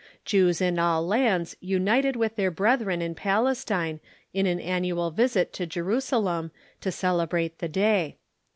Jews in all lands united with their brethren in Palestine in an annual visit to Jerusalem, to celebrate the day.